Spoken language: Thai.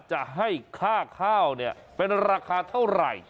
จะให้ค่าข้าวเนี่ยเป็นราคาเท่าไหร่